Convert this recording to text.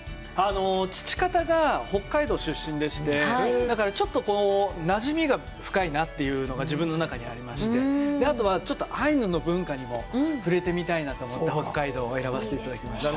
父方が北海道出身でして、だからちょっとなじみが深いなというのが自分の中にありまして、あとはちょっとアイヌの文化にも触れてみたいなと思って北海道を選ばせていただきました。